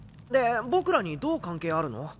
で僕らにどう関係あるの？